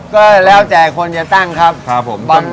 ก็แล้วแต่คนจะตั้งครับผม